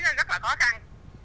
rất là khó khăn